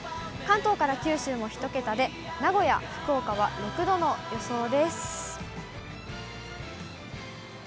関東から九州も１桁で、名古屋、福岡は６度の予想です。